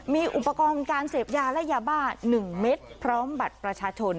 มีอุปกรณ์การเสพยาและยาบ้า๑เม็ดพร้อมบัตรประชาชน